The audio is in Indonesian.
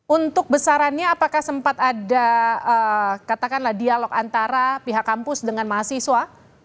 untuk besarannya apakah sempat ada katakanlah dialog antara pihak kampus dengan mahasiswa